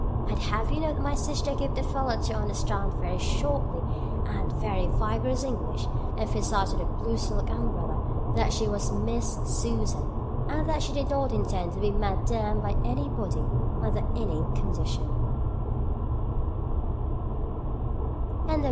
I'd have you know that my sister gave the fellow to understand very shortly and in very vigorous English (emphasized with her blue silk umbrella) that she was Miss Susan, and that she did not intend to be Madamed by anybody, under any condition.